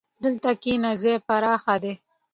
دلته کښېنه، ځای پراخ دی.